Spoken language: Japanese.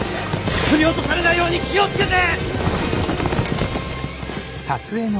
振り落とされないように気をつけて！